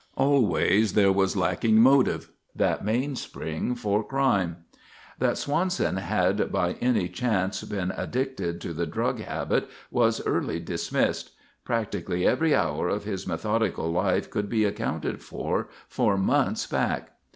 Always there was lacking motive: that mainspring for crime. That Swanson had by any chance been addicted to the drug habit was early dismissed. Practically every hour of his methodical life could be accounted for for months back.